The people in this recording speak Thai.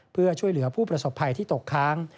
เพื่อช่วยเหลือผู้ประสบภัยที่ตกค้าง